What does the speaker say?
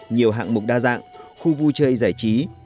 nhiều hạng mục đa dạng khu vui chơi giải trí